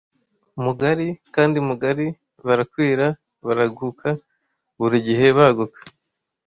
Mugari kandi mugari barakwira, baraguka, burigihe baguka,